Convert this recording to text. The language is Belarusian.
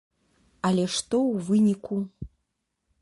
Але што ў выніку?